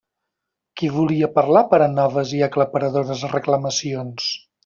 Qui volia parlar per a noves i aclaparadores reclamacions?